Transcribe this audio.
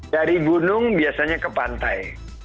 dari gunung biasanya ke pantai